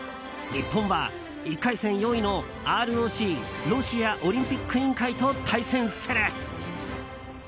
日本は１回戦４位のＲＯＣ・ロシアオリンピック委員会と対戦する。